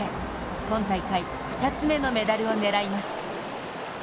今大会２つ目のメダルを狙います。